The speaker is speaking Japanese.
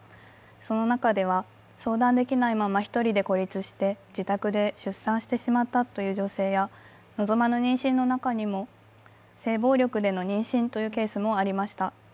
その中では、相談できないまま１人で孤立して、自宅で出産してしまったという女性や、望まぬ妊娠の中にも、性暴力での妊娠というケースもありました。